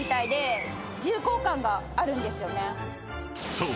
［そう。